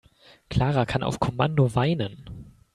Clara kann auf Kommando weinen.